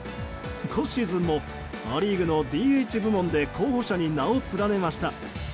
今シーズンもア・リーグのＤＨ部門で候補者に名を連ねました。